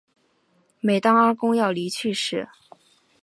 每当阿公要离去时